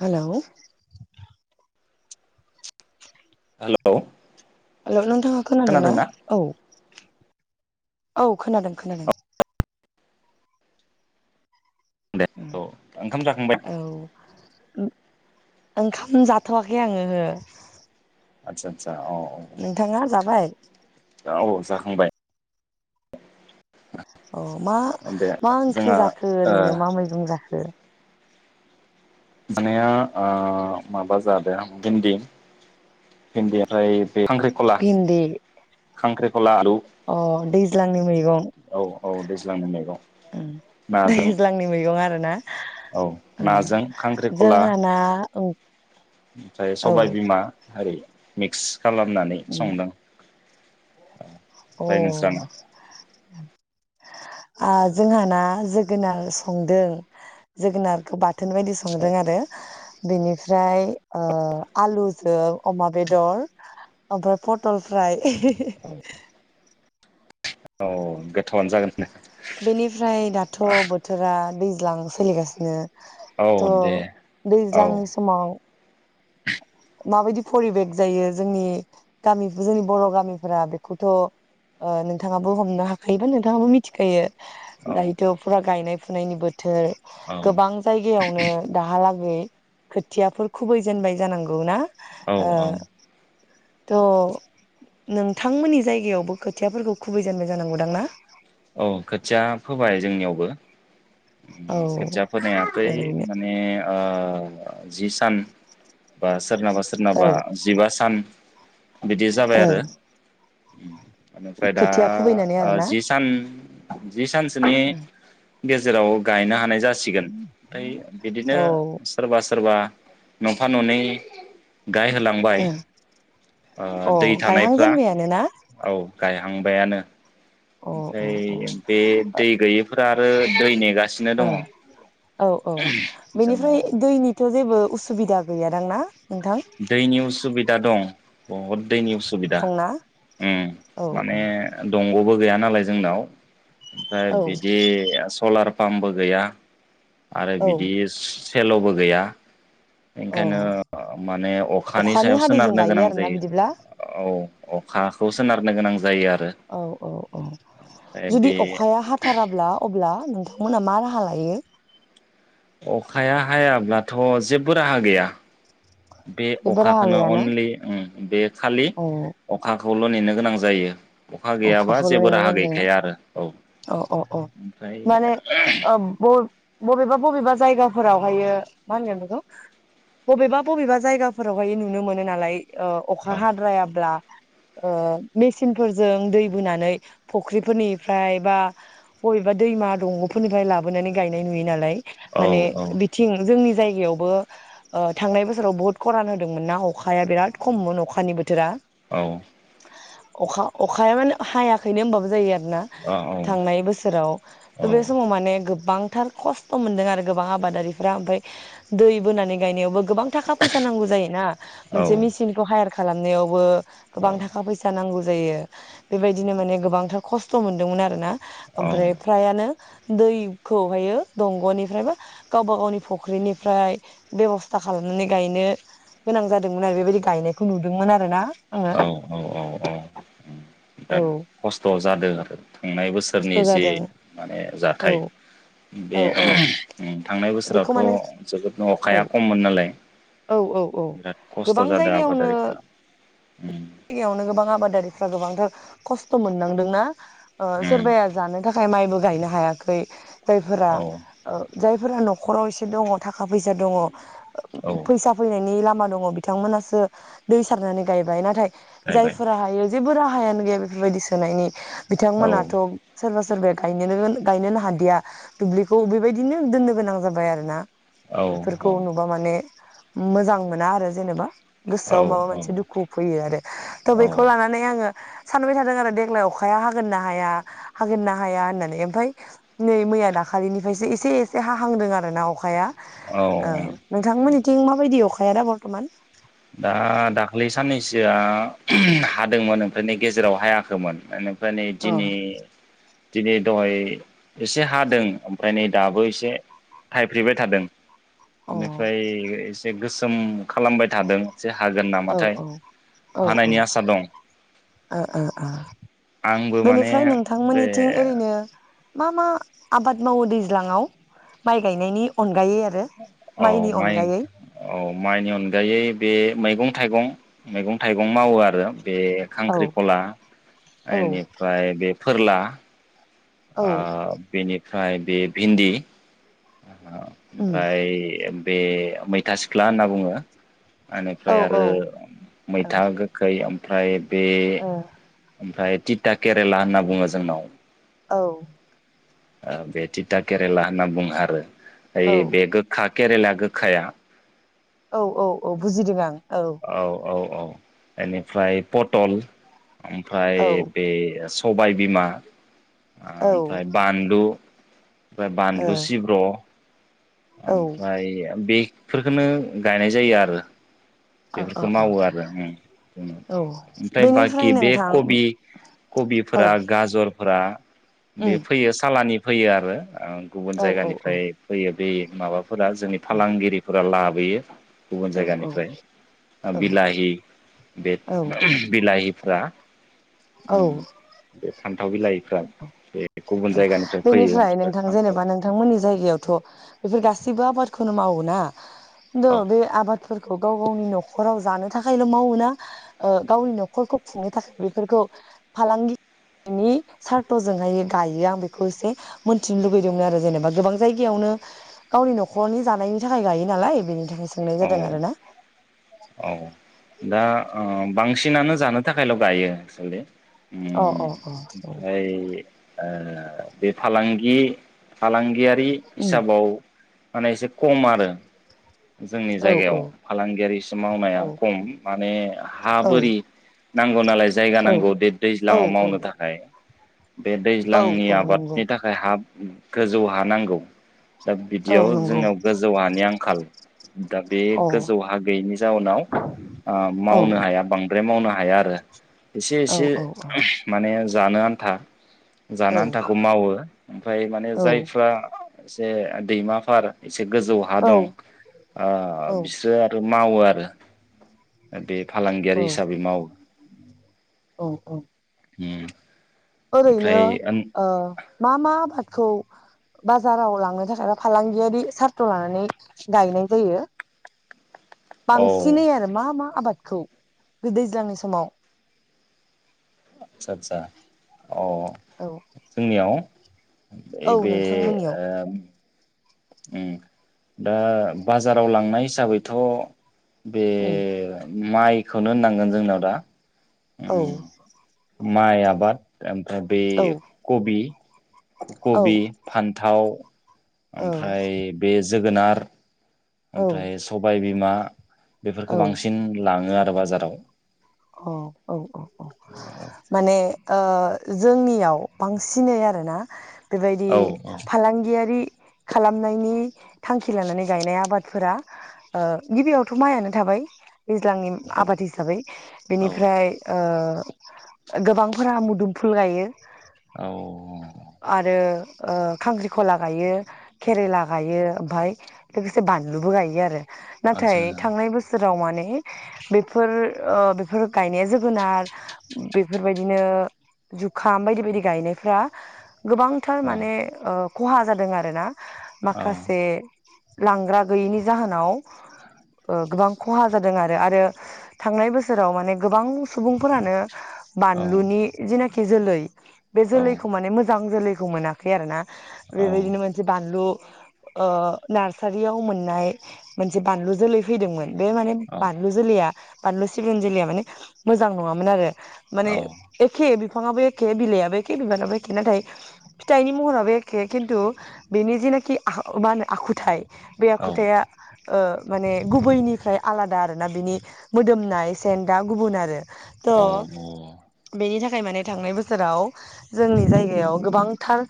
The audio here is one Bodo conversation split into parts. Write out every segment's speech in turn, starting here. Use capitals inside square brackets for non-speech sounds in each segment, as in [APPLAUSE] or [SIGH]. हेलौ हेलौ हेल' नोंथाङा खोनादोंना? औ। औ खोनादों खोनादों। दे औ ओंखाम जाखांबाय [INAUDIBLE] औ ओंखाम जाथवाखै आंङो ओहो। आतसा आतसा। औ जाबाय औ। औ जाखांबाय। अह मा दे मा ओंख्रि जोंहा जाखो ओ ओरैनो मा मैगं जाखो? माने ओ माबा जादो भेन्दि भेन्दि उमफ्राय खांख्रिख'ला। भिन्दि खांख्रेब अ दैज्लांनि मैगं औ औ दैज्लांनि मैगं ओम नाजों दैज्लांनि मैगं आरोना। औ उम नाजों खांख्रिखला जोंहाना ओं ओमफ्राय औ सबाय बिमा। हारि मिक्स। खालामनानै उम संदों। अ ओमफ्राय नोंस्राना आ जोंहाना जोगोनार संदों जोगोनारखौ बा थोन बायदि औ संदों आरो बेनि फ्राय ओ आलुजों अमा बेदर ओमफ्राय पटल फ्राय [UNINTELLIGIBLE] औ गोथावआनो जागोना दे। बेनिफ्राय दाथ' बोथोरा दैज्लां सोलिगासिनो। औ थ' दे औ दैज्लांनि समाव माबायदि परिबेक जायो जोंनि गामि जोंनि बर' गामिफोरा बेखौथ' ओ नोंथाङाबो हमनो हाखायोबा नोंथाङाबो मिथिखायो। औ दायथ'फोरा गायनाय फुनायनि बो थो औ गोबां जायो जायावनो दाहालागै खोथियाफोर खु गौना? औ औ थ' नोंथांमोननि जायगायावबो खोथियाफोरखौ खुबैजेनबाय जानांगौ। औ खोथिया फोबाय जोंनियावबो। औ ओम खोथिया फोनो हायाखै ओरैनो माने ओ ओ जि सोरनाबा औ सोरनाबा जिबा सान बिदि जाबाय ओ आरो। उम। एनिफ्राय दा खोथिया खुबैनानै ओ आरोना जि सान [INAUDIBLE] जि सान सोनि गेजेराव गायना नाय जासिगोन। यै बिदिनो औ सोरबा सोरबा न'फा न'नै गाय होलांबाय अ ओ दै गायहां थानायफ्रा जेनबायानो ना औ गायहांबायानो। अ अ अ ओ ओमफ्राय औ औ बे गैयादां ना? दैनि उसुबिदा दं, बहुद दैनि उसुबिदा दंना ओम औ औ माने दंग'बो गैया नालाय जोंनाव। ओमफ्राय औ बिदि आ सलार फामबो गैया। आरो औ बिदि स सेल'बो गैया। अ इखनो माने अखानि सायाव हादैजों सोनारनो गायो गोनां आरोना जायो बिदिब्ला ओ अखाखौ सोनारनो गोनां जायो आरो औ औ औ ओमफ्राय जुदि बे अखाया हाथाराब्ला अब्ला‌। नोंथांमोना मा राहा लायो? अखाया हायाब्लाथ' जेबो राहा गैया। बे जेबो राहा अखाखोनो गैयाना अनलि ओ बेे खालि औ अखा खौल' नेनो गोनां जायो अखा गैयाबा अखाखौल' जेबो नेनो राहा गोनां जायोना गैखाया आरो औ अ अ अ ओमफ्राय माने ओ ब बबेबा बबेबा जायगाफोरावहायो मा होनगोन बेखौ बबेबा बबेबा जायगाफोरावहाय नुनो मोनो नालाय ओ औ अखा हाद्रायाब्ला ओ मेसिनफोर जों दै बोनानै फुख्रिफोरनिफ्राय बा बबेबा दैमा दंग'फोरनिफ्राय लाबोनानै गायनाय नुयो नालाय माने बिथिं जोंनि जाय यि आव बो ओ थांनाय बोसोराव बुहुत खरान होदोंमोन ना अखा हाया बिराद खममोन अखानि बोथोरा अखा अखाया मानोे हायाखैनो होनबाबो जायो आरो। ना थांनाय बोसोराव थ बे समाव माने गोबां थार खस्थ' मोन्दों आरो गोबां आबादारिफ्रा ओमफाय दै बोनानै गायनायावबो गोबां थाखा फैसा नांगौ जायोना मोनसे मेचिनखौ हायार खालामनायावबो गोबां थाखा फैसा नांगौ जायो बेबायदिनो माने गोबांथार खस्थ' मोनदोंमोन आरो ना। ओमफ्राय फ्रायानो दैखौहायो दंग'निफ्राय बा गावबा गावनि फुख्रिनिफ्राय बेब'स्था खालामनानै गायनो गोनां जादोंमोन आरो बेबायदि गायनायखौ नुदोंमोन आरो ना। औ औ औ औ उम दा औ खस्थ' जादों आरो थांनाय बोसोरनि खस्थ' जि जादों माने जाथाय। औ बे औ औ थांनाय बेखौ बोसोरावथ माने जोबोद औ अखाया खममोन नालाय औ औ औ बिराद खस्थ गोबां जादों जायगायावनो आबादारिफ्रा। उम जायगायावनो गोबां आबादारि फ्रा गोबांथार खस्थ मोननांदोंना ओ उम सोरबाया जानो थाख थाखाय माइबो गायनो हायाखै। जायफोरा औ ओ जाय फोरा नख'राव एसे दङ थाखा फैसा दङ औ फैसा फैनायनि लामा दङ बिथांमोनासो दै सारनानै गायबाय नाथाय जाहैबाय जायफोरा हायो जेबो राहायानो गैया बेफोरबायदि सोनायनि औ बिथांमोनाथ' सोरबा सोर सोरबाया गायनो गोन गायनोनो हादिया। दुब्लिखौ बेबायदिनो दोननो गोनां जाबाय आरो ना। औ बेफोरखौ नुबा माने मोजां मोना आरो जेनेबा गोसोआव माबा औ मोनसे दुखु फैयो आरो थ औ बेखौ लानानै आङो सानबाय थादों आरो देग्लाय अखाया हागोन ना हाया हागोन ना हाया होननानै एमफाय नै मैया दाखालिनिफ्रायसो एसे एसे हाहांदों आरो ना अखाया ओ औ नोंथांमोननिथिं माबायदि अखा हायाना बरथमान दा दाखलैसो साननैसोआ हादोंमोन ओमफ्रायनो गेजेराव हायाखैमोन एनेब माने अ दिनै दिनै दहाय एसे हादों ओमफ्राय नै दाबो एसे थाइफ्रिबाय थादों। अ औ बेनिफ्राय एसे गोस जोंम खालामबाय थादों। एसे हागोन औ औ नामाथाय औ औ हानायनि आसा दं ओ ओ ओ, आंबो माने बेनिफ्राय बे नोंथांमोननिथिं ओरैनो मा मा आबाद मावो दैज्लाङाव माइ गायनायनि अन औ माइ औ माइनि अनगायै बे मैगं थाइगं मैगं थाइगं मावो आरो। बे औ खांख्रिखला औ एनिफ्राय बे फोरला आ औ बेनि बे भिन्दि। उम ओमफ्राय। बे मैथा सिख्ला होनना बुङो। औ इनिफ्राय औ आरो औ मैथा गोखै ओमफ्राय बे ओमफ्राय टिटा केरेला होनना बुङो जोंनाव औ। ओ बे थिथा केरेला होनना बुङो आरो औ ओय बे गोखा केरेला गोखाया औ औ औ बुजिदों आं। औ औ औ। बेनिफ्राय पटल ओमफ्राय औ बे स सबाय बिमा औ ओ ओमफ्राय बान्लु ओमफ्राय औ बानलु सिब्र'। ओमफ्राय बि बेफोरखौनो गायनाय जायो आरो। अ अ बेफोरखौ मावो आरो ओम औ ओमफ्राय बेनिफ्राय बाखि बे नोंथां कबि औ कबिफोरा गाजरफोरा बे उम फैयो सालानि फैयो आरो। आं गुबुन औ औ औ उम जायगानिफ्राय फैयो। दे माबा फोरा जोंनि फालांगिरिफोरा लाब। होयो। गुबुन औ जायगानिफ्राय ओ औ बिलाहि बे औ बिलाहिफ्रा उम बे फान्थाव बिलाइ औ बेनिफ्राय ओमफ्राय नोंथां फान्थाव जेनेबा नोंथांमोननि जायगायावथ' बे गासै सिबो आबादखौनो मावो ना द' औ बे आबादफोरखौ गाव-गावनि नखराव जानो थाखायल मावो ना ओ गावनि नखरखौ खुंनो थाखाय बेफोरखौ फालांगिनि सार्थजोंहाय गायो आं बेखौ इसे मोन्थिनो लुुबैदोंमोन आरो जेनेबा गोबां जायगायावनो गावनि नखरनि जानायनि थाखाय गायो नालाय बेनि थाखाय सोंनाय औ जादों आरो ना औ दा ओ बांसिनानो जानो थाखायल गायो एकचुलि। अ अ अ बे फालांगि फालांगिया बि उम हिसाबाव माने एसे खम आरो। जोंनि औ जायगायाव औ फालांगियारिसो मावनाया औ खम माने हा औ बोरि नांगौ नालाय जायगा नांगौ देर औ दैज्लाङाव मावनो थाखाय बे औ दैज्लांनि औ नंगौ आबादनि थाखाय हाब गोजौ हानांगौ। दा औ बिदियाव नंगौ जोंनाव गोजौ हानि आं खाल दा बे अ गोजौहा गैयिनि जाउनाव औ मावनो हाया बांद्राय मावनो हाया हाया आरो। इसे औ इसे औ औ माने जानो आन्था औ जाना आन्थाखौ मावो। ओमफ्राय माने औ जायफ्रा ए दैमाफार मोनसे गोजौ हा दं औ बिसोरो आरो मावो आरो। ओ दे फालांगियारि औ हिसाबै मावो। उम औ ओरैनो ओमफ्राय औ मा मा खौ बाजाराव लांनो थाखाय बा फालांगियारि सार्थ लानानै गायनाय जायो। बांसिनै आरो मा मा आबादखौ दैज्लांनि समाव आदसा आदसा अ औ जोंनियाव औ एबे नोंथांमोननियाव आ उम दा बाजाराव लांनाय हिसाबैथ बे उम माइखौनो होननांगोन जोंनाव दा औ माइ आबाद [UNINTELLIGIBLE] बे औ कबि औ कबि फान्थाव औ ओमफ्राय बे जोगोनार औ ओमफ्राय सबायबिमा बेफोरखौ बांसिन लाङो आरो बाजाराव औ औ औ औ माने ओ जोंनियाव बांसिनै आरोना बेबायदि औ फालांगियारि खालामनायनि थांखि लानानै गायनाय आबादफोरा ओ गिबियावथ माइआनो थाबाय दैज्लांनि आबाद हिसाबै औ बेनिफ्राय ओ गोबांफोरा मुदुमफुल गायो औ आरो खांख्रिखला गायो केरेला गायो ओमफ्राय लोगोसे बानलुबो गायो आरो आदसा नाथाय थांनाय बोसोर राव माने बेफोर ओ बेफोर गायनाया जोगोनार बेफोरबायदिनो जुखाम बायदि बायदि गायनायफ्रा गोबांथार औ माने खहा जादों आरो ना औ माखासे लांग्रा गैयिनि जाहोनाव ओ गोबां खहा जादों आरो, आरो थांनाय बोसो सोराव माने गोबां सुबुंफोरानो औ बानलुनि जेनाखि जोलै बे औ जोलैखौ माने मोजां जोलै खौ मोनाखै आरो ना। औ बेबायदिनो मोनसे बानलु ओ नार्सारियाव मोननाय मोनसे बानलु जोलै फैदोंमोन। बे माने औ बानलु जलैया बानलुस सिब्रुनि जोलैया माने मोजां नङामोन आरो। औ माने एखे बेफ फाङाबो एखे बिलाइाबो एखे बिबाराबो एखे नाथाय फिथाइनि महराबो एखे खिन्थु बेनि जेनाखि आह' मा होनो आखुथाय बे आखुथाया ओ माने गुबैनिफ्राय आलादा आरो ना बिनि मोदोमनाय एसेन दा गुबुन आरो औ थ' बेनि थाख थाखाय माने थांनाय बोसोराव जोंनि जायगायाव गोबांथार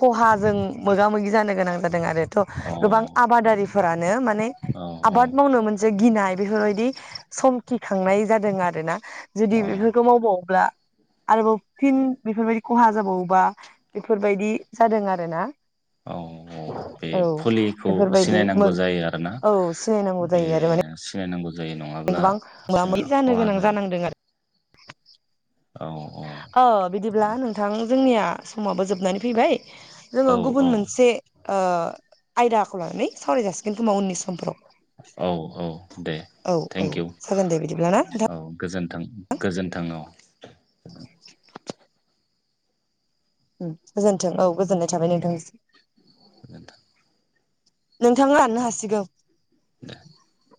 खहा जों मोगा-मोगि जानो गोनां जाद दों आरोथ' गोबां आबादारि फो फोरान नो माने औ औ आबद मावनो मोनसे गिनाय बेफोरबायदि सम खिखांनाय जादों आरो ना? जुदि बेफोरखौ मावबावोब्ला आरोबाव फिन बेफोरबायदि खहा जाबावोबा बेफोरबायदि जादों आरो ना? औ औ बे फुलिखौ बेफोरबायदि मो सिनायनांगौ जायो आरोना औ सिनायनांगौ बे जायो आरो माने सिनायनांगौ जायो नङाब्ला गोबां जोंहा मोगा-मोगि जानो खहा गोनां जायो जानांदों आर [INAUDIBLE] औ बिदिब्ला नोंथां जोंनिया समावबो जोबनानै फैबाय। जोङो औ गुबुन मोनसे ओ आयदाखौ लानानै सावराय जासिगोन खोमा उननि समफोराव। औ औ दे औ औ थेंकइउ जागोन दे बिदिब्ला ना औ गोजोन थां‌ गोजोनथों अ गोजोनथों औ गोजोननाय थाबाय नोंथांसिम। नोंथां नोंथां लांनो हासिगौ। [INAUDIBLE]